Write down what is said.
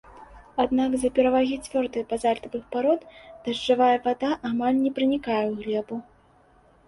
Аднак з-за перавагі цвёрдых базальтавых парод дажджавая вада амаль не пранікае ў глебу.